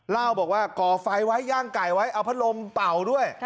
เล่าบอกว่าก่อไฟไว้ย่างไก่ไว้เอาพัดลมเป่าด้วย